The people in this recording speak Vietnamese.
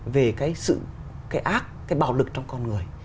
về cái sự cái ác cái bạo lực trong con người